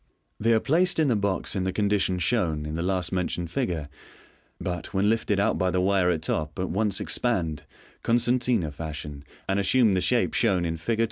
They are placed in the box in the condition shown in the last mentioned figure; but when lifted out by the wire at top, at once expand, concertina fashion, and assume the shape shown in Fig.